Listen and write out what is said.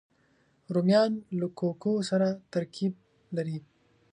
رومیان له کوکو سره ترکیب لري